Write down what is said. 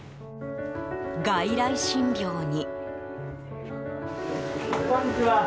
外来診療に。